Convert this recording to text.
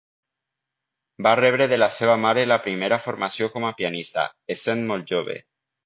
Va rebre de la seva mare la primera formació com a pianista, essent molt jove.